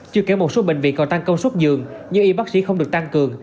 chưa kể một số bệnh viện còn tăng công suất dường như y bác sĩ không được tăng cường